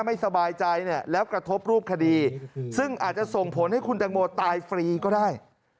ไม่สบายใจเนี่ยแล้วกระทบรูปคดีซึ่งอาจจะส่งผลให้คุณแตงโมตายฟรีก็ได้